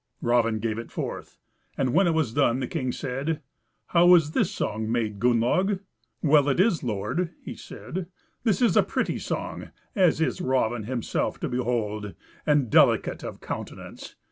Raven gave it forth, and when it was done the king said, "How is this song made, Gunnlaug?" "Well it is, lord," he said; "this is a pretty song, as is Raven himself to behold, and delicate of countenance.